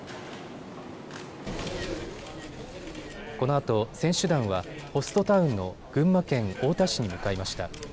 このあと選手団はホストタウンの群馬県太田市に向かいました。